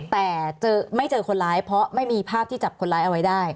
แต่ไม่เจอคนร้ายเพราะไม่มีภาพที่จับคนร้ายเอาไว้ได้